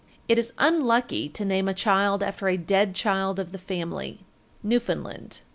It is unlucky to name a child after a dead child of the family. _Newfoundland.